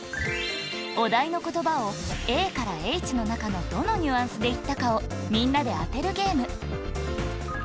お題の言葉をＡからＨの中のどのニュアンスで言ったかをみんなで当てるゲーム